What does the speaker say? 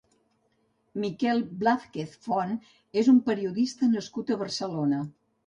Miquel Blázquez Font és un periodista nascut a Barcelona.